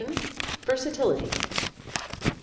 Versatility. VI.